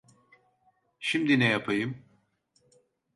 Şimdi ne yapayım?